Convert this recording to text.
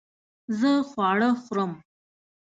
زه خواړه خورم